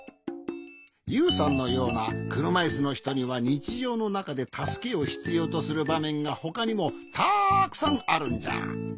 ユウさんのようなくるまいすのひとにはにちじょうのなかでたすけをひつようとするばめんがほかにもたくさんあるんじゃ。